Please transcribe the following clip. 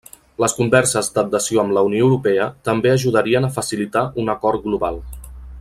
Les converses d'adhesió amb la Unió Europea també ajudarien a facilitar un acord global.